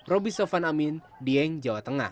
roby sofan amin dieng jawa tengah